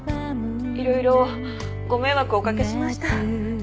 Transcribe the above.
いろいろご迷惑をおかけしました。